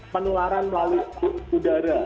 penularan melalui udara